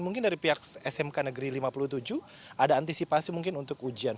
mungkin dari pihak smk negeri lima puluh tujuh ada antisipasi mungkin untuk ujian